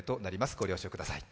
ご了承ください。